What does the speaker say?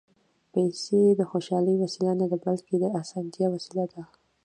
پېسې د خوشالۍ وسیله نه ده، بلکې د اسانتیا وسیله ده.